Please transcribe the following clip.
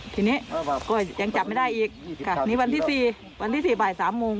ทีนี้ก็ยังจับไม่ได้อีกค่ะนี่วันที่๔วันที่๔บ่าย๓โมง